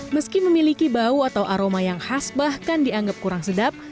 meski memiliki bau atau aroma yang khas bahkan dianggap kurang sedap